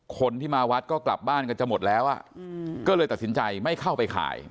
คนที่มาวัดก็กลับบ้านกันจะหมดแล้วก็เลยตัดสินใจไม่เข้าไปขาย